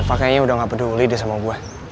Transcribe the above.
reva kayaknya udah gak peduli deh sama gue